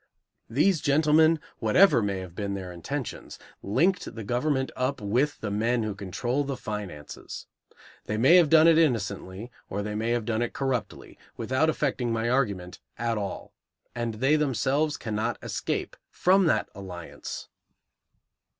These gentlemen, whatever may have been their intentions, linked the government up with the men who control the finances. They may have done it innocently, or they may have done it corruptly, without affecting my argument at all. And they themselves cannot escape from that alliance.